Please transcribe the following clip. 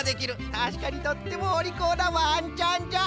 たしかにとってもおりこうなわんちゃんじゃ。